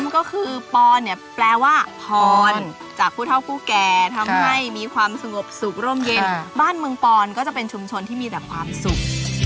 ก็คือปอนเนี่ยแปลว่าพรจากผู้เท่าผู้แก่ทำให้มีความสงบสุขร่มเย็นบ้านเมืองปอนก็จะเป็นชุมชนที่มีแต่ความสุข